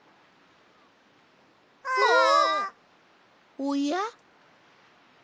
おや？